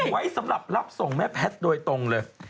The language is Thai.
ไว้สำหรับรับส่งแม่แพทย์โดยตรงเลย